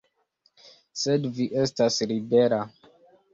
Sed vi estas libera.